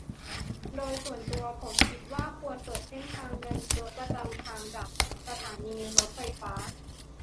โดยส่วนตัวผมคิดว่าควรเปิดเส้นทางเดินรถประจำทางจากสถานีรถไฟฟ้า